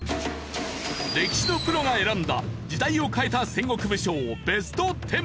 歴史のプロが選んだ時代を変えた戦国武将ＢＥＳＴ１０。